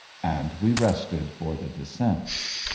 And we rested for the descent.